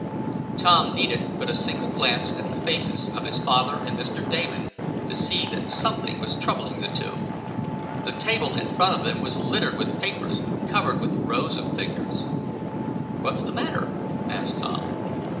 Tom needed but a single glance at the faces of his father and Mr. Damon to see that something was troubling the two. The table in front of them was littered with papers covered with rows of figures. "What's the matter?" asked Tom.